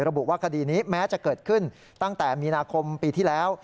ระบุว่าคดีนี้แม้จะเกิดขึ้นตั้งแต่มีนาคมปีที่แล้ว